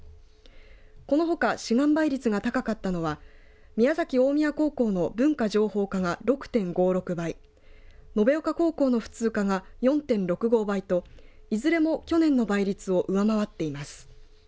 このほか志願倍率が高かったのは宮崎大宮高校の文科情報科が６．５６倍延岡高校の普通科が４．６５倍といずれも去年の倍率を上回っています。